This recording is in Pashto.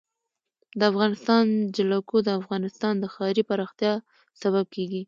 د افغانستان جلکو د افغانستان د ښاري پراختیا سبب کېږي.